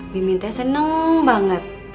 mimin teh seneng banget